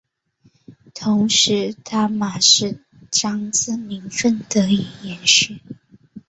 同时他玛使长子名份得以延续。